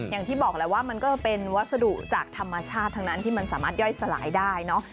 อย่างที่บอกแหละว่ามันก็จะเป็นวัสดุจากธรรมชาติทั้งนั้นที่มันสามารถย่อยสลายได้เนอะ